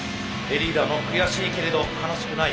リーダーの「悔しいけれど悲しくない」